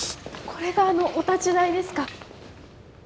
これがあのお立ち台ですか。